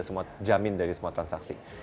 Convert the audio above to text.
apa yang kita maksudnya jamin dari semua transaksi